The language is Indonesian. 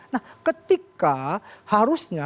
nah ketika harusnya